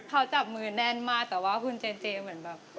เขาจับมือน่านมากแต่ว่าคุณเจ๊มันแบบ